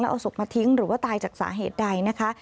เอาศพมาทิ้งหรือว่าตายจากสาเหตุใดนะคะ